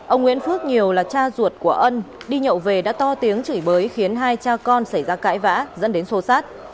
ông nguyễn phước nhiều là cha ruột của ân đi nhậu về đã to tiếng chửi bới khiến hai cha con xảy ra cãi vã dẫn đến sô sát